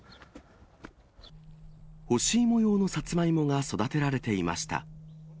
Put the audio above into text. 干し芋用のさつまいもが育てられていました。